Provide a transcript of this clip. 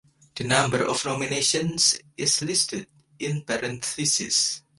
The number of nominations is listed in parentheses.